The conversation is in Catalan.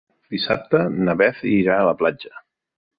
Dissabte na Beth irà a la platja.